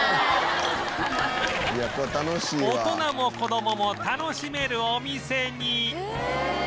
大人も子どもも楽しめるお店に